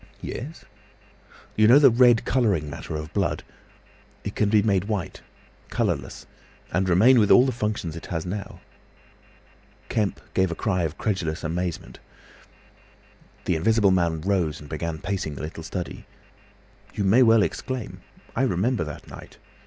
"Yes?" "You know the red colouring matter of blood; it can be made white—colourless—and remain with all the functions it has now!" Kemp gave a cry of incredulous amazement. The Invisible Man rose and began pacing the little study. "You may well exclaim. I remember that night.